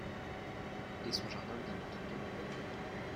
Et son jardin bien entretenu.